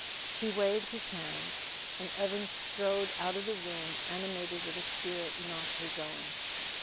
He waved his hand, and Evans strode out of the room animated with a spirit not his own.